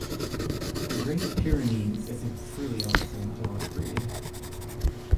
Great Pyrenees is a really awesome dog breed.